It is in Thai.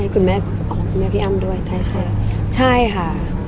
คุณแม่พี่อ้ำด้วย